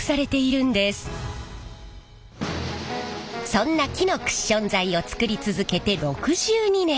そんな木のクッション材を作り続けて６２年。